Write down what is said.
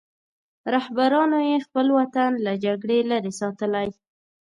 رهبرانو یې خپل وطن له جګړې لرې ساتلی.